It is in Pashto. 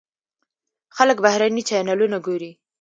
خلک بهرني چینلونه ګوري.